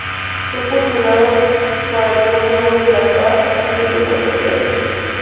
Fue postulado para el Premio Nobel de la Paz en siete oportunidades.